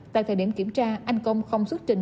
tại thời điểm kiểm tra anh công không xuất trình